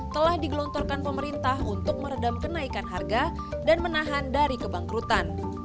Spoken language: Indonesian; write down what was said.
telah digelontorkan pemerintah untuk meredam kenaikan harga dan menahan dari kebangkrutan